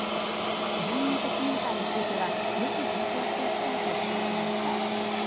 住民説明会についてはよく検討していきたいと答えていました。